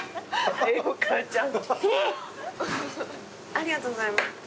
ありがとうございます。